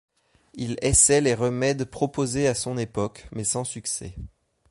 Il essaie les remèdes proposé à son époque, mais sans succès.